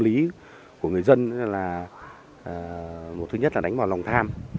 các tâm lý của người dân là một thứ nhất là đánh vào lòng tham